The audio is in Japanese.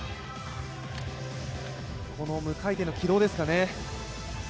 この無回転の軌道ですかね。